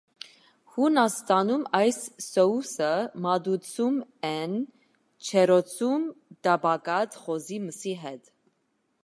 Հունաստանում այս սոուսը մատուցում են ջեռոցում տապակած խոզի մսի հետ։